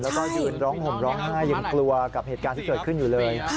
แล้วก็ยืนร้องห่มร้องไห้ยังกลัวกับเหตุการณ์ที่เกิดขึ้นอยู่เลย